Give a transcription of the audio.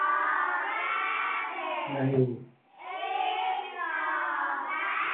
क्या तुम फ़्रांसीसी पढ़ती हो?